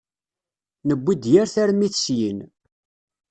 Newwi-d yir tarmit syin.